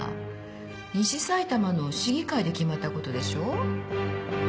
西さいたまの市議会で決まったことでしょう？